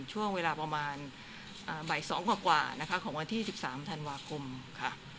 ช่วงเวลาประมาณบ่าย๒กว่านะคะของวันที่๑๓ธันวาคมค่ะ